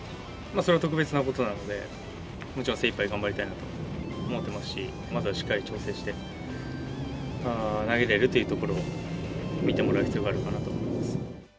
それは特別なことなので、もちろん精いっぱい頑張りたいなと思ってますし、まずはしっかり調整して、投げれるというところを、見てもらう必要があるかなと思います。